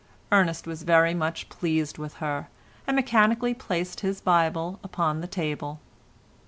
Ernest was very much pleased with her, and mechanically placed his Bible upon the table.